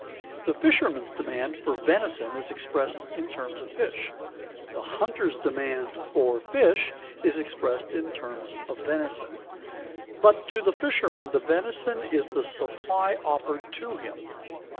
The fisherman's demand for venison is expressed in terms of fish; the hunter's demand for fish is expressed in terms of venison. But to the fisherman the venison is the supply offered to him.